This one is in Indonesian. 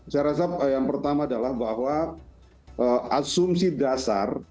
saya rasa yang pertama adalah bahwa asumsi dasar